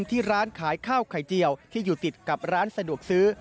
ที่ร้านขายข้าวไข่เจียวที่อยู่ติดกับร้านสะดวกซื้อ